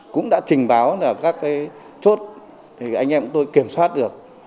cũng đã trình báo là các cái chốt thì anh em tôi kiểm soát được